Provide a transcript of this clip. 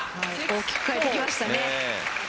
大きく変えてきましたね。